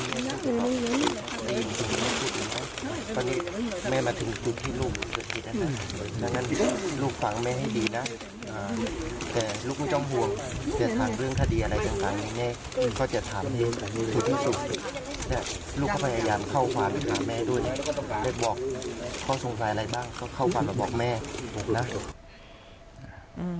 ลูกก็พยายามเข้าฝันมาถามแม่ด้วยพ่อสงสัยอะไรบ้างเข้าฝันมาบอกแม่